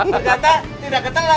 ternyata tidak ketelan